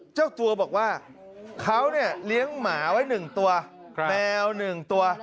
เจ้าตัวบอกว่าเขาเนี่ยเลี้ยงหมาไว้๑ตัวแมว๑ตัว